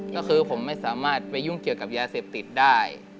ก็คือผมไม่สามารถไปยุ่งเกี่ยวกับยาเสพติดได้